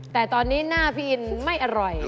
แต่ตอนนี้หน้าพี่อินไม่อร่อย